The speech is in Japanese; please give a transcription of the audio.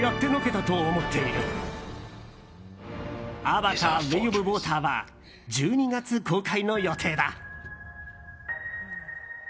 「アバター：ウェイ・オブ・ウォーター」は１２月公開の予定だ。